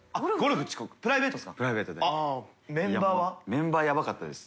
メンバーヤバかったです。